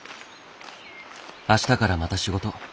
「明日からまた仕事」。